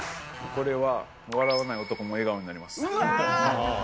これは、笑わない男も笑顔になります。